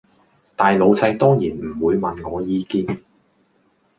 大老細當然唔會問我意見